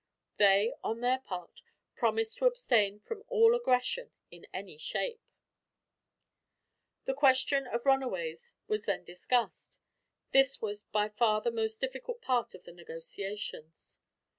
They, on their part, promised to abstain from all aggression, in any shape. The question of runaways was then discussed. This was by far the most difficult part of the negotiations.